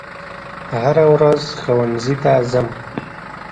هره ورځ ښوونځي ته ځم